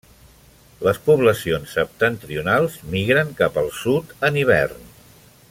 Les poblacions septentrionals migren cap al sud en hivern.